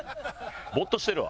ボーッとしてるわ。